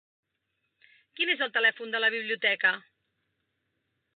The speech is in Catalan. Quin és el telèfon de la biblioteca?